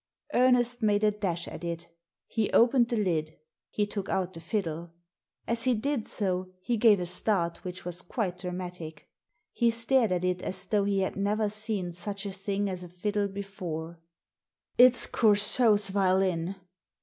Ernest made a dash at it He opened the lid. He took out the fiddle. As he did so he gave a start which was quite dramatic He stared at it as though he had never seen such a thing as a fiddle before; " It's Coursault's violin